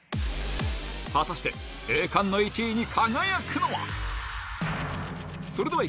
果たして、栄冠の１位に輝くのは。